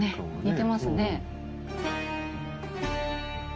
似てますね。